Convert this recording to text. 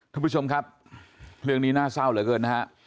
ท่านผู้ชมครับเรื่องนี้น่าเศร้าเหลือเกินนะฮะ